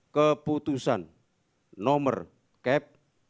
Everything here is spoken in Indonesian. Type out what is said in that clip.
keputusan nomor kep dua puluh sembilan